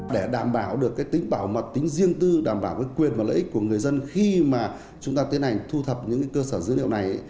để đảm bảo được cái tính bảo mật tính riêng tư đảm bảo quyền và lợi ích của người dân khi mà chúng ta tiến hành thu thập những cơ sở dữ liệu này